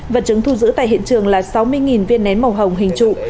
vật chứng thu giữ tại hiện trường là sáu mươi viên nén màu hồng hình trụ